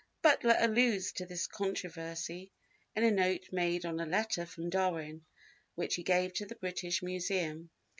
Butler alludes to this controversy in a note made on a letter from Darwin which he gave to the British Museum.